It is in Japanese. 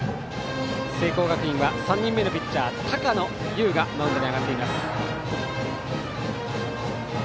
聖光学院は３人目のピッチャー高野結羽がマウンドに上がっています。